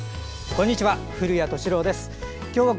こんにちは。